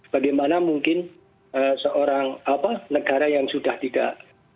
bagaimana mungkin seorang negara yang sudah tidak